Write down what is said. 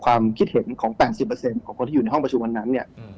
ความคิดเห็นของ๘๐ของคนที่อยู่ในห้องประชุมวันนั้นเนี่ย